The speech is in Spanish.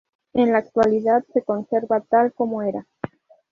En la actualidad se conserva tal como era.